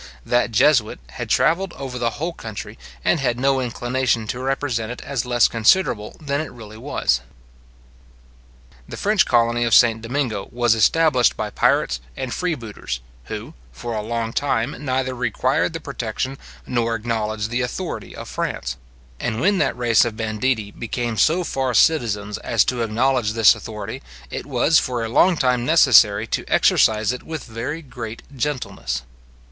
That jesuit had travelled over the whole country, and had no inclination to represent it as less inconsiderable than it really was. The French colony of St. Domingo was established by pirates and freebooters, who, for a long time, neither required the protection, nor acknowledged the authority of France; and when that race of banditti became so far citizens as to acknowledge this authority, it was for a long time necessary to exercise it with very great gentleness.